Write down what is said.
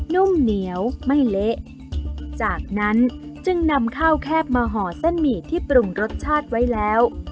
นุ่มเหนียวไม่เละจากนั้นจึงนำข้าวแคบมาห่อเส้นหมี่ที่ปรุงรสชาติไว้แล้ว